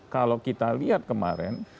kalau kita lihat kemarin